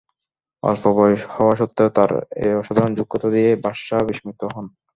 অল্প বয়স হওয়া সত্ত্বেও তাঁর এ অসাধারণ যোগ্যতা দেখে বাদশাহ বিস্মিত হন।